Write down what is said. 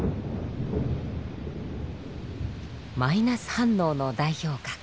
マイナス反応の代表格